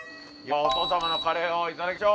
じゃあお父様のカレーをいただきましょう。